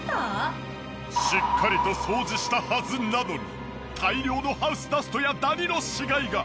しっかりと掃除したはずなのに大量のハウスダストやダニの死骸が！